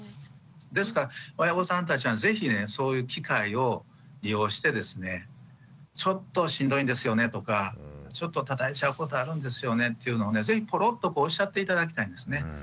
ですから親御さんたちは是非ねそういう機会を利用してですねちょっとしんどいんですよねとかちょっとたたいちゃうことあるんですよねっていうのをね是非ぽろっとこうおっしゃって頂きたいんですね。